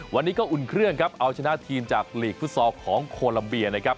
วันนี้ก็อุ่นเครื่องครับเอาชนะทีมจากลีกฟุตซอลของโคลัมเบียนะครับ